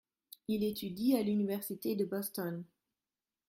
Il étudie à l’université de Boston.